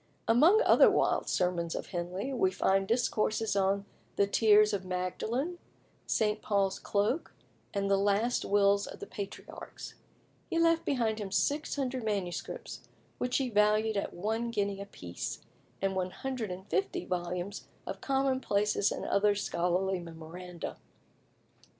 Among other wild sermons of Henley, we find discourses on "The Tears of Magdalen," "St. Paul's Cloak," and "The Last Wills of the Patriarchs." He left behind him 600 MSS., which he valued at one guinea a piece, and 150 volumes of commonplaces and other scholarly memoranda.